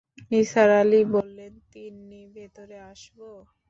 নিসার আলি বললেন, তিন্নি, ভেতরে আসব?